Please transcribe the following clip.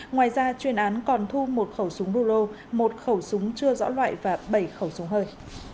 ngoài ra chuyên án còn thu một khẩu súng blulo một khẩu súng chưa rõ loại và bảy khẩu súng hơi